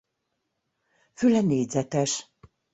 Füle négyzetes.